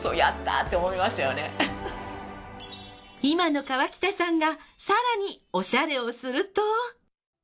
今の川北さんが更におしゃれをすると。